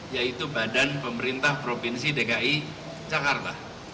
yaitu badan pemerintah provinsi dki jakarta